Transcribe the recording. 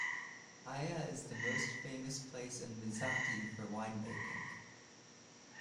Aya is the most famous place in Miyazaki for wine making.